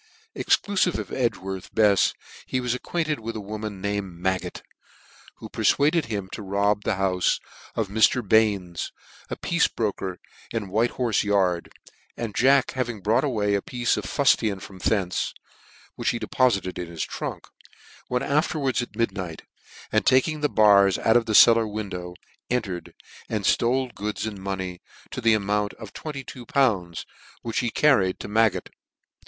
Exclufive of Edgworth Befs he was acquainted with a woman named Maggot, who perfuaded him to rob the houle of Mr, Bain's, a piece bro ker in White Horfe Yard ; and Jack having brought away a piece of fullian from thence, (which he depofited jn his trunk ; went afterwards at midnight, and taking the bars out of the cel lar window, entered, and Hole goods and money to the amount of twenty two pounds which he carried to Maggot.